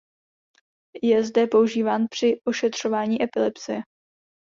Je zde používán při ošetřování epilepsie.